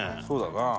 そうだな。